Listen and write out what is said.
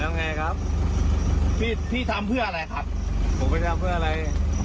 ยังไงครับพี่พี่ทำเพื่ออะไรครับผมไปทำเพื่ออะไร